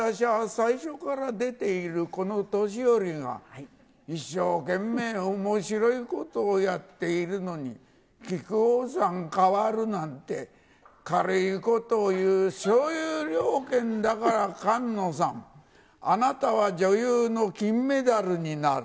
最初から出ているこの年寄りが、一生懸命おもしろいことをやっているのに、木久扇さん、変わるなんて、軽いことを言う、そういう了見だから菅野さん、あなたは女優の金メダルになる。